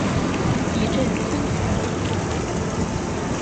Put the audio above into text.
一阵天旋地转